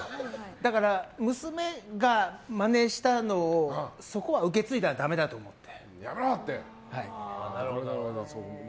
だから、娘がまねしたのをそこは受け継いだらだめだと思って。